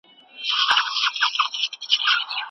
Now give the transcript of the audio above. هوږه د فشار لپاره ګټوره ده.